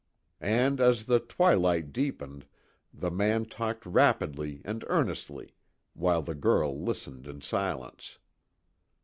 And, as the twilight deepened, the man talked rapidly and earnestly, while the girl listened in silence.